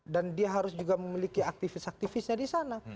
dan dia harus juga memiliki aktivis aktivisnya di sana